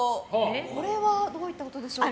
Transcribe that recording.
これはどういったことでしょうか。